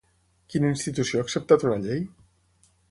Quina institució ha acceptat una llei?